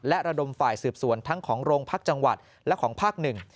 และระดมฝ่ายสืบสวนทั้งของโรงพักจังหวัดและของภาคหนึ่ง